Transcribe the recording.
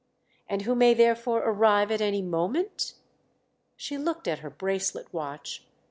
"And who may therefore arrive at any moment?" She looked at her bracelet watch.